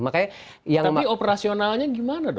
tapi operasionalnya gimana dong